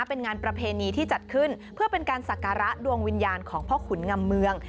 เป็นงานประเพณีที่จัดขึ้นเพื่อเป็นการสักการะดวงวิญญาณของพ่อขุนงำเมือง